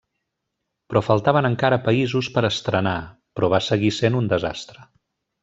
Però faltaven encara països per estrenar, però va seguir sent un desastre.